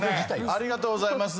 ありがとうございます。